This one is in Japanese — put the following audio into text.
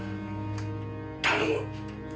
頼む！